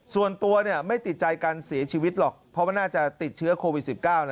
ส่วนตัวไม่ติดใจการเสียชีวิตหรอกเพราะว่าน่าจะติดเชื้อโควิด๑๙